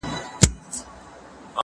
زه کولای سم سیر وکړم!؟